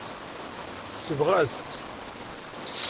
Tesbeɣ-as-tt.